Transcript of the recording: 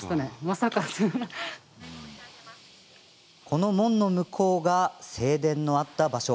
この門の向こうが正殿のあった場所。